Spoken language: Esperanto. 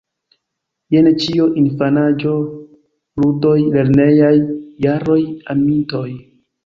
Jen ĉio: infanaĝo, ludoj, lernejaj jaroj, amintoj.